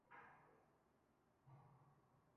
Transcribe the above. اپنی حفاظت کی گارنٹی لے لی